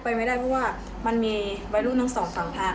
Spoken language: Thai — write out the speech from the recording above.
เพราะว่ามันมีไวรูมนังสองสั่งพลาด